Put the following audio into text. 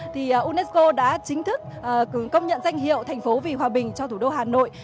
thì unesco đã chính thức công nhận danh hiệu thành phố vì hòa bình cho thủ đô hà nội